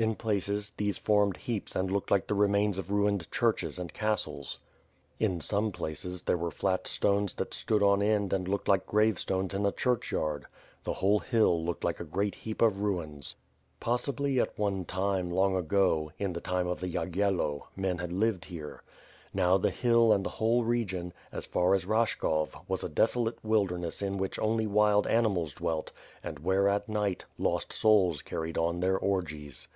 In places, these formed heaps and looked like the remains of ruined churches and castles. In some places, there were flat stones that stood on end and looked like gravestones in a church yard. The whole hill looked like a great heap of ruins. Possibly, at one time, long ago, in the time of the Yagyello, men had lived here. Now, the hill and the whole region, as far as Rashkov, was a desolate wild erness in which only wild animals dwelt and where at night, lost souls carried on their orgies.